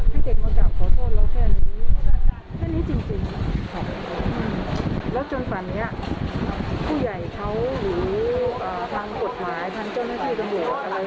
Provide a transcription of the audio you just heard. และจนแปนนี้ผู้ใหญ่เขาอยู่ทางกฎหมายทางเจ้าหน้าที่กำเน๖๒